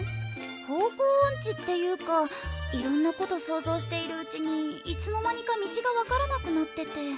方向おんちっていうかいろんなこと想像しているうちにいつの間にか道が分からなくなってて。